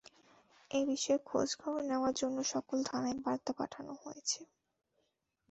এ বিষয়ে খোঁজ খবর নেওয়ার জন্য সকল থানায় বার্তা পাঠানো হয়েছে।